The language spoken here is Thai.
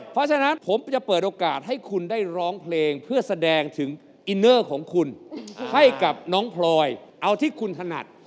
เพราะฉะนั้นผมจะเปิดโอกาสให้คุณได้ร้องเพลงเพื่อแสดงถึงอินเนอร์ของคุณให้กับน้องพลอยเอาที่คุณถนัด